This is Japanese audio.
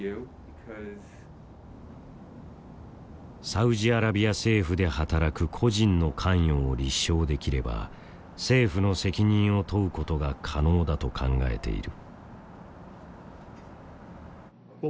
サウジアラビア政府で働く個人の関与を立証できれば政府の責任を問うことが可能だと考えている。